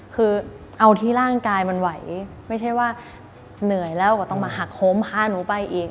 คือเอาที่ร่างกายมันไหวไม่ใช่ว่าเหนื่อยแล้วก็ต้องมาหักโฮมพาหนูไปอีก